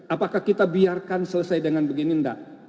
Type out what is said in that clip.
apakah kita biarkan selesai dengan begini enggak